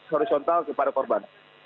horizontal kepada korban